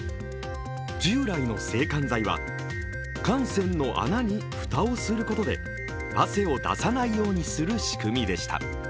従来の制汗剤は汗腺の穴に蓋をすることで汗を出さないようにする仕組みでした。